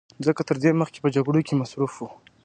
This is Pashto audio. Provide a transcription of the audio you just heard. ځکه تر دې مخکې به په جګړو کې مصروف و